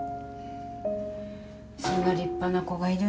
そんな立派な子がいるんだ。